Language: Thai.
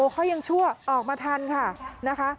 เขายังชั่วออกมาทันค่ะนะคะ